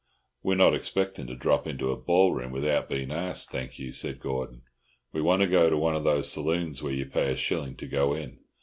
"We're not expecting to drop into a ballroom without being asked, thank you," said Gordon. "We want to go to one of those saloons where you pay a shilling to go in.